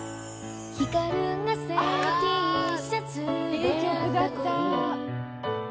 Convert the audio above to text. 「いい曲だった」